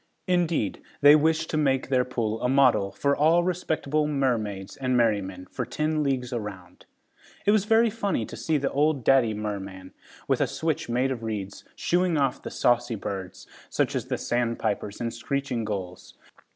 Indeed they wished to make their pool a model, for all respectable mermaids and merrymen, for ten leagues around. It was very funny to see the old daddy merman, with a switch made of reeds, shooing off the saucy birds, such as the sandpipers and screeching gulls.